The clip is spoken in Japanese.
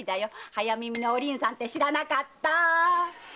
早耳のお凛さんって知らなかった？